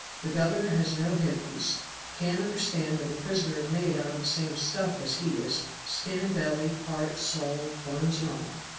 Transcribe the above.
The governor has no head piece; can't understand that a prisoner is made out of the same stuff as he is skin and belly, heart, soul, bones an' all.